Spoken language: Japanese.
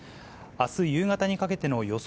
あす夕方にかけての予想